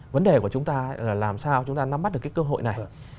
vấn đề của chúng ta là làm sao chúng ta nắm mắt được cái cơ hội này